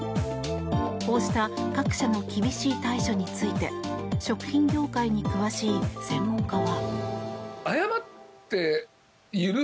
こうした各社の厳しい対処について食品業界に詳しい専門家は。